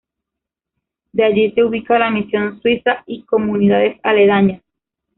De allí se ubica la misión Suiza y comunidades aledañas.